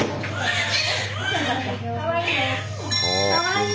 かわいい！